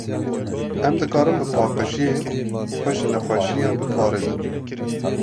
Em dikarin bi paqijiyê, xwe ji nexweşiyan biparêzin.